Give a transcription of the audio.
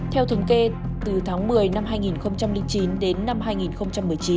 theo thống kê từ tháng một mươi năm hai nghìn chín đến năm hai nghìn một mươi chín